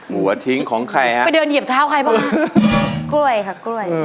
ผัวทิ้งของคุณซิมครับ